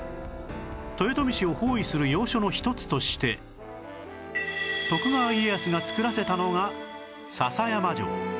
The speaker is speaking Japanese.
豊臣氏を包囲する要所の一つとして徳川家康が造らせたのが篠山城